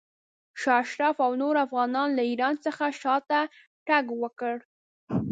شاه اشرف او نورو افغانانو له ایران څخه شاته تګ وکړ.